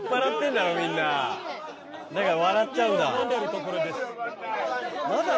だから笑っちゃうんだ。